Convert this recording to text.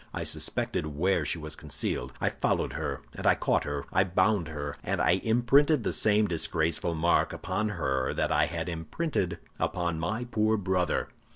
I suspected where she was concealed. I followed her, I caught her, I bound her; and I imprinted the same disgraceful mark upon her that I had imprinted upon my poor brother.